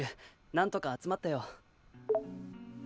なんとか集まったよ。